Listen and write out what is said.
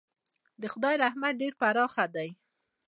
د خدای رحمت ډېر پراخه دی.